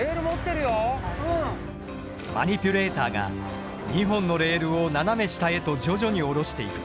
マニピュレーターが２本のレールを斜め下へと徐々に下ろしていく。